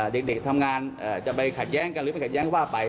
เด็กทำงานจะไปขัดแย้งกันหรือไปขัดแย้งว่าไป